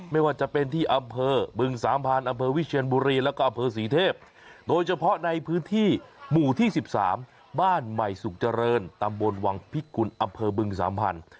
ไม่ว่าจะเป็นที่อำเภอบึงสามพันธ์อำเภอวิเชียนบุรีแล้วก็อำเภอศรีเทพโดยเฉพาะในพื้นที่หมู่ที่๑๓บ้านใหม่สุขเจริญตำบลวังพิกุลอำเภอบึงสามพันธุ